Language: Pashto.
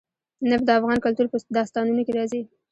نفت د افغان کلتور په داستانونو کې راځي.